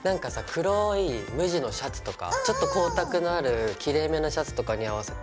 黒い無地のシャツとかちょっと光沢のあるきれいめなシャツとかに合わせて。